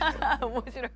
面白い！